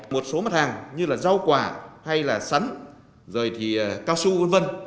một số mặt hàng như là rau quả hay là sắn rồi thì cao su v v